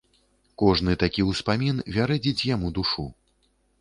Кожны такі ўспамін вярэдзіць яму душу.